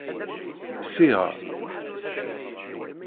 Siɣ.